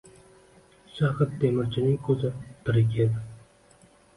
Shahid temirchining ko’zi tirik edi